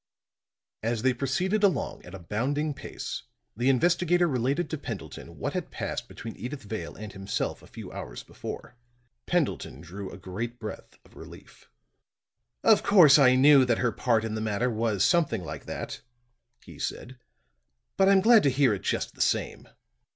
As they proceeded along at a bounding pace, the investigator related to Pendleton what had passed between Edyth Vale and himself a few hours before. Pendleton drew a great breath of relief. "Of course I knew that her part in the matter was something like that," he said, "but I'm glad to hear it, just the same."